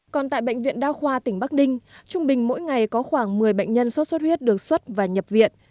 còn tại bệnh viện đa khoa tỉnh bắc ninh trung bình mỗi ngày có khoảng một mươi bệnh nhân sốt xuất huyết được xuất và nhập viện